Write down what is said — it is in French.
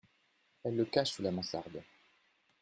Elle le cache sous la mansarde.